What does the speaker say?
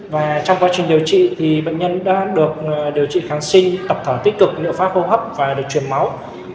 và trong quá trình điều trị thì bệnh nhân đã được điều trị kháng sinh tập thở tích cực miệng pháp hô hấp và được chuyển máu